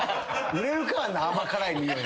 売れるかあんな甘辛いにおい。